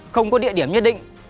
không có địa điểm nhất định